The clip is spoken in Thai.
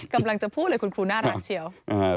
กำลังจะพูดเลยคุณครูน่ารักเชียว